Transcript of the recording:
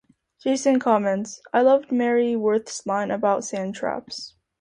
Jason comments: I loved Mary Worth's line about sand traps.